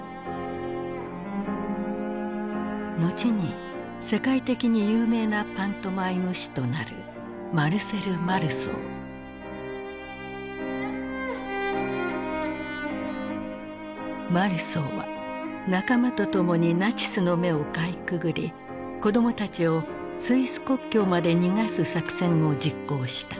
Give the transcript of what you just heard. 後に世界的に有名なパントマイム師となるマルソーは仲間と共にナチスの目をかいくぐり子どもたちをスイス国境まで逃がす作戦を実行した。